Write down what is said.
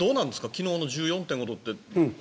昨日の１４．５度って。